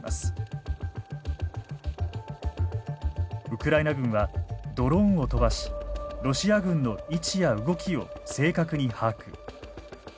ウクライナ軍はドローンを飛ばしロシア軍の位置や動きを正確に把握。